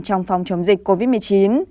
trong phòng chống dịch covid một mươi chín